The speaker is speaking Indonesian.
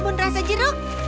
abun rasa jeruk